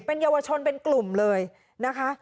เป็นเยาวชนเป็นกลุ่มเลยนะคะ